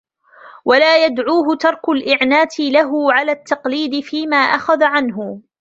وَلَا يَدْعُوهُ تَرْكُ الْإِعْنَاتِ لَهُ عَلَى التَّقْلِيدِ فِيمَا أَخَذَ عَنْهُ